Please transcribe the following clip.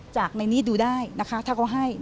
จากในนี้ดูได้นะคะถ้าเขาให้